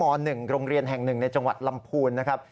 ๑โรงเรียนแห่ง๑ในจังหวัดลำพูนนะครับ